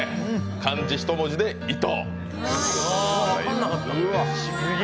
漢字一文字で「糸」。